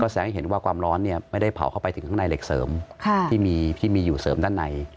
แสดงให้เห็นว่าความร้อนไม่ได้เผาเข้าไปถึงข้างในเหล็กเสริมที่มีอยู่เสริมด้านใน